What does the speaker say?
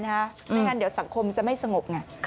ไม่งั้นเดี๋ยวสังคมจะไม่สงบไง